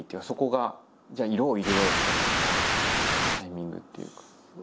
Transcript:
そこがじゃあ色を入れようって思ったタイミングっていうか。